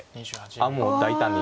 あっもう大胆に。